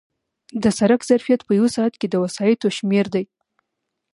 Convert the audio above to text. د سړک ظرفیت په یو ساعت کې د وسایطو شمېر دی